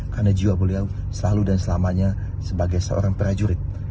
karena jiwa beliau selalu dan selamanya sebagai seorang prajurit